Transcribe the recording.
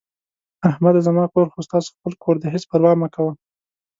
احمده زما کور خو ستاسو خپل کور دی، هېڅ پروا مه کوه...